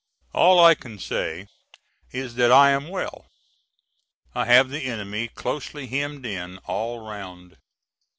All I can say is that I am well. I have the enemy closely hemmed in all round.